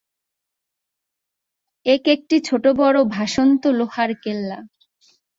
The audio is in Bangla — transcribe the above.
এক একটি ছোট বড় ভাসন্ত লোহার কেল্লা।